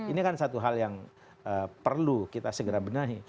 ini kan satu hal yang perlu kita segera benahi